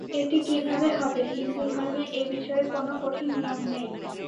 এটি কিভাবে হবে, হিন্দুধর্মে এ-বিষয়ে কোন কঠিন নিয়ম নেই।